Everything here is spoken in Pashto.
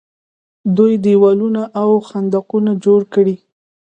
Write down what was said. دوی دیوالونه او خندقونه جوړ کړي.